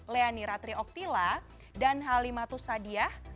leoni ratri oktila dan halimatu sadiyah